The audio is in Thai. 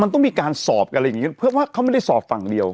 มันต้องมีการสอบกันอะไรอย่างนี้เพื่อว่าเขาไม่ได้สอบฝั่งเดียว